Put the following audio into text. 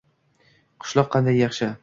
qishloq qanday yaxshi.